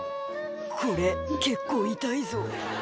「これ結構痛いぞ」